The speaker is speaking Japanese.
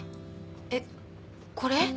えっこれ？